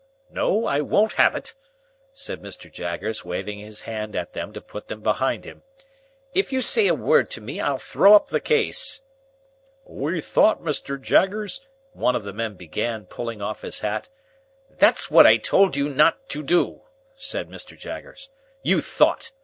Now, I won't have it!" said Mr Jaggers, waving his hand at them to put them behind him. "If you say a word to me, I'll throw up the case." "We thought, Mr. Jaggers—" one of the men began, pulling off his hat. "That's what I told you not to do," said Mr. Jaggers. "You thought!